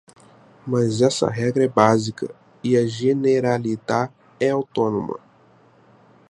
Mas essa regra é básica e a Generalitat é autônoma.